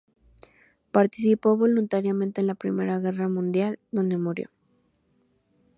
Participó voluntariamente en la Primera Guerra Mundial, donde murió.